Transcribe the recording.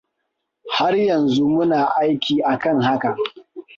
Har yanzu muna aiki kan haka.